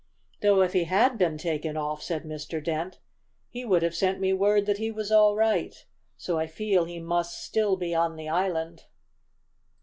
"Though if he had been taken off," said Mr. Dent, "he would have sent me word that he was all right. So I feel he must still be on the island."